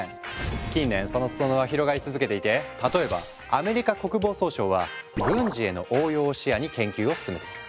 近年その裾野は広がり続けていて例えばアメリカ国防総省は軍事への応用を視野に研究を進めている。